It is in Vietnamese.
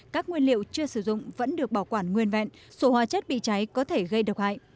các nguyên liệu chưa sử dụng vẫn được bảo quản nguyên vẹn số hóa chất bị cháy có thể gây độc hại